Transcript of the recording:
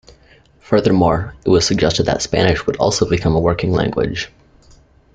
Furthermore, it was suggested that Spanish should also become a working language.